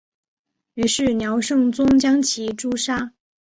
于是辽圣宗将其诛杀。